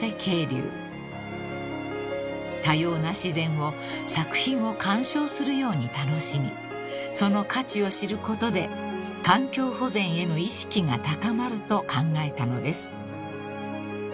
［多様な自然を作品を鑑賞するように楽しみその価値を知ることで環境保全への意識が高まると考えたのです］